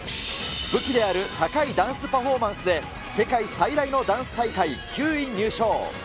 武器である高いダンスパフォーマンスで、世界最大のダンス大会９位入賞。